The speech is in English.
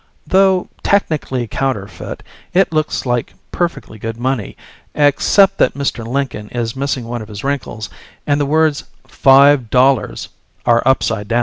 Though technically counterfeit, it looks like perfectly good money, except that Mr. Lincoln is missing one of his wrinkles and the words "FIVE DOLLARS" are upside down.